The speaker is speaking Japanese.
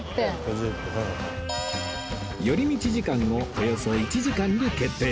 寄り道時間をおよそ１時間に決定